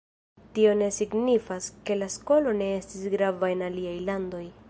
Tio ne signifas, ke la skolo ne estis grava en aliaj landoj.